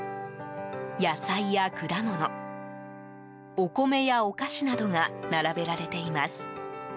野菜や果物、お米やお菓子などが並べられています。